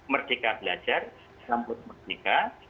merdeka belajar samput merdeka